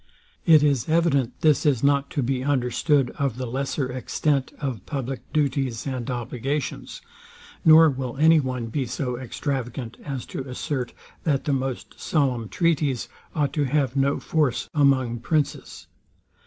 It is evident this is not to be understood of the lesser extent of public duties and obligations; nor will any one be so extravagant as to assert, that the most solemn treaties ought to have no force among princes.